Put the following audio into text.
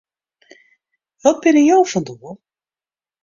Wat binne jo fan doel?